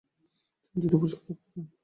তিনি দুইটি পুরস্কার লাভ করেন।